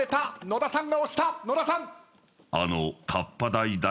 野田さん。